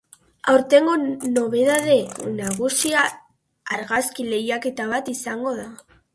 Aurtengo nobedade nagusia argazki lehiaketa bat izango da.